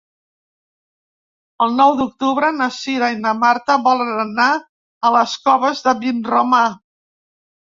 El nou d'octubre na Cira i na Marta volen anar a les Coves de Vinromà.